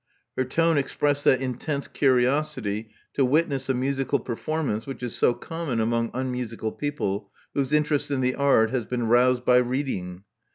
Her tone expressed that intense curiosity to witness a musical performance which is so common among unmusical people whose interest in the art has been roused by reading.